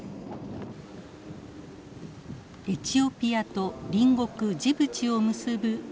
エチオピアと隣国ジブチを結ぶ鉄道。